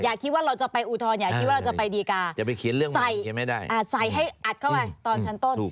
อย่าคิดว่าเราจะไปอุทธรณ์อย่าคิดว่าเราจะไปดีการ์ใส่ให้อัดเข้าไปตอนชั้นต้น